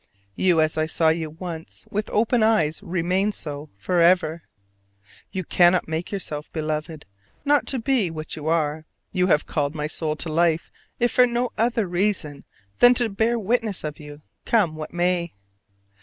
You as I saw you once with open eyes remain so forever. You cannot make yourself, Beloved, not to be what you are: you have called my soul to life if for no other reason than to bear witness of you, come what may.